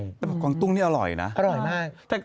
ปลูกกวางตุ้งนี่อร่อยนะอร่อยมากอร่อยมาก